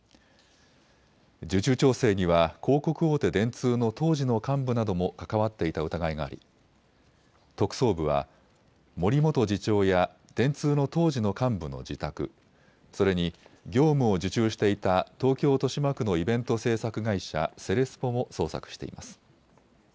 受注調整には広告大手、電通の当時の幹部なども関わっていた疑いがあり特捜部は、森元次長や電通の当時の幹部の自宅、それに業務を受注していた東京豊島区のイベント制作会社、セレスポも捜索しています。